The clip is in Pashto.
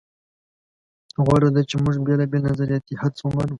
غوره ده چې موږ بېلابېل نظریاتي حدس ومنو.